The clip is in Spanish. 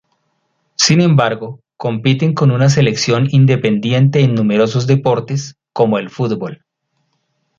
Sin embargo, compiten con una selección independiente en numerosos deportes, como el fútbol.